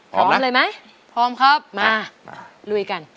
พร้อมเลยไหมพร้อมครับมาลุยกัน